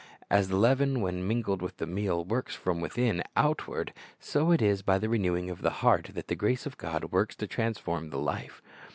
As the leaven, when mingled with the meal, works from within outward, so it is by the renewing of the heart that the grace of God works to transform the life.